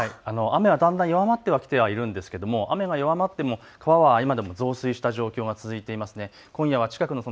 雨はだんだん弱まってはきていますが雨が弱まっても川は今でも増水した状況が続いています。